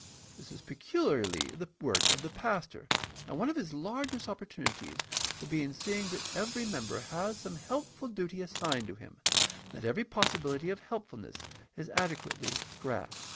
This is peculiarly the work of the pastor, and one of his largest opportunities will be in seeing that every member has some helpful duty assigned to him, and that every possibility of helpfulness is adequately grasped.